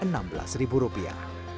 dan di mana saja